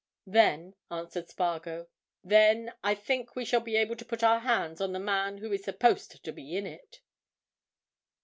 "Then," answered Spargo, "then I think we shall be able to put our hands on the man who is supposed to be in it."